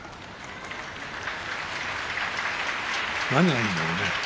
何がいいんだろうね。